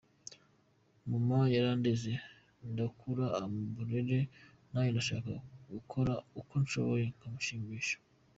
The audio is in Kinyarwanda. Mama yarandeze, ndakura ampa uburere, nanjye ndashaka gukora uko nshoboye nkamushimisha.